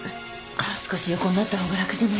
少し横になった方が楽じゃないですか？